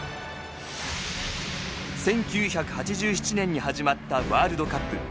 １９８７年に始まったワールドカップ。